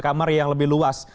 kamar yang lebih luas